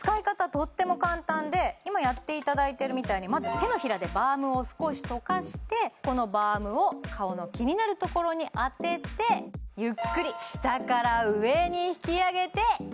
とっても簡単で今やっていただいてるみたいにまず手のひらでバームを少し溶かしてこのバームを顔の気になるところに当ててそうなんですよ